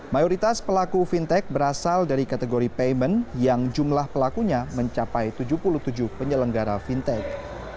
mayoritas pelaku fintech berasal dari kategori payment yang jumlah pelakunya mencapai tujuh puluh tujuh penyelenggara fintech